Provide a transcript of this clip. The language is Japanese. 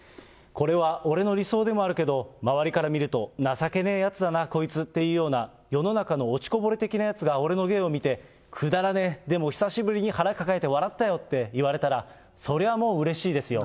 これは俺の理想でもあるけど、周りから見ると情けねぇやつだな、こいつっていうような、世の中の落ちこぼれ的なやつが、俺の芸を見て、くだらねぇ、でも久しぶりに腹抱えて笑ったよって言われたら、それはもううれしいですよ。